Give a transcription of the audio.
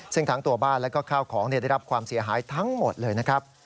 ซึ่งทั้งตัวบ้านแล้วก็ข้าวของได้รับความเสียหายทั้งหมดเลยนะครับ